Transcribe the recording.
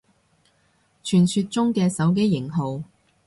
傳說中嘅手機型號